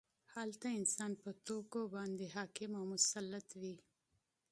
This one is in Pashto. هلته انسان په توکو باندې حاکم او مسلط وي